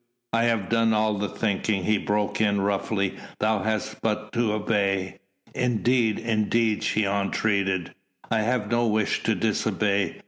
"I have done all the thinking," he broke in roughly, "thou hast but to obey." "Indeed, indeed," she entreated, "I have no wish to disobey